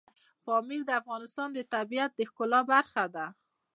پامیر د افغانستان د طبیعت د ښکلا برخه ده.